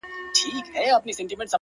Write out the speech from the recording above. نه پاته کيږي; ستا د حُسن د شراب; وخت ته;